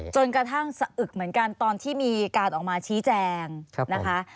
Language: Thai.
จนกระทั่งสะอึกเหมือนกันตอนที่มีการออกมาชี้แจงนะคะ